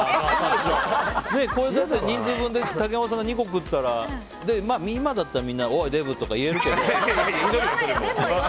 人数分で竹山さんが２個食ったら今だったらおいデブ！とか言えるけど。